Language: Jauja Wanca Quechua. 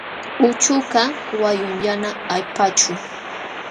Uchukaq wayun yana allpaćhu.